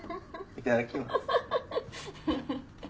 いただきます。